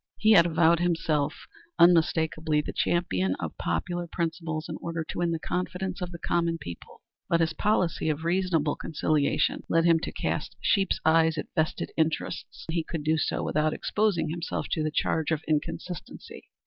He had avowed himself unmistakably the champion of popular principles in order to win the confidence of the common people, but his policy of reasonable conciliation led him to cast sheep's eyes at vested interests when he could do so without exposing himself to the charge of inconsistency.